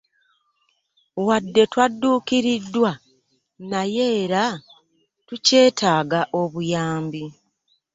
Wadde twadduukiriddwa naye era tukyetaaga obuyambi.